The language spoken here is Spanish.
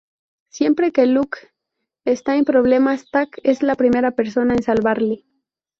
Siempre que Lok esta en problemas, Tak es la primera persona en salvarle.